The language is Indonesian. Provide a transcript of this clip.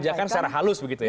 dikerjakan secara halus begitu ya